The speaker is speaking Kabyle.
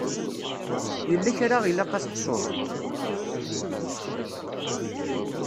Yella kra ilaq ad t-ḥsuɣ?